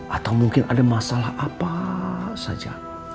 atau mungkin ada masalah apa saja